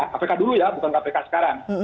kpk dulu ya bukan kpk sekarang